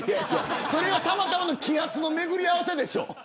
それは、たまたまの気圧の巡り合わせでしょ。